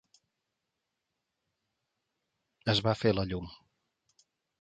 Es va fer la llum.